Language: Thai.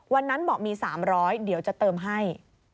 วันนั้นบอกมี๓๐๐เดี๋ยวจะเติมให้